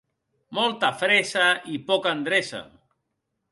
Molta fressa i poca endreça.